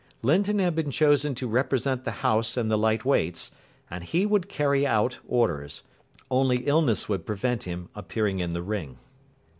Linton had been chosen to represent the house in the Light Weights, and he would carry out orders. Only illness would prevent him appearing in the ring.